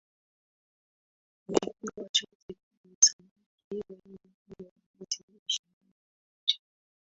umepigwa shoti pia ni samaki wenye kilo hadi ishirini na moja